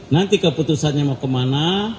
nanti keputusannya mau kemana